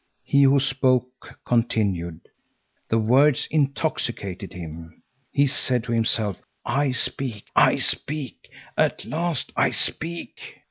He who spoke continued. The words intoxicated him. He said to himself: "I speak, I speak, at last I speak.